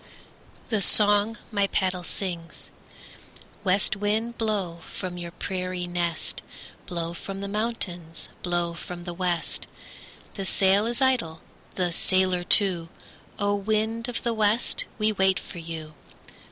THE SONG MY PADDLE SINGS West wind, blow from your prairie nest, Blow from the mountains, blow from the west. The sail is idle, the sailor too; O! wind of the west, we wait for you.